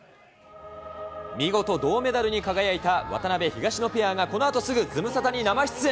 見事銅メダルに輝いた渡辺・東野ペアがこのあとすぐズムサタに生出演。